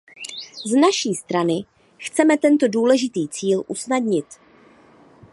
Z naší strany chceme tento důležitý cíl usnadnit.